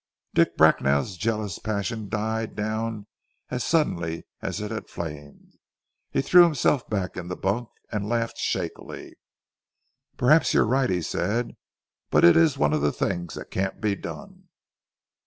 Dick Bracknell's jealous passion died down as suddenly as it had flamed. He threw himself back in the bunk and laughed shakily. "Perhaps you're right," he said, "but it is one of the things that can't be done."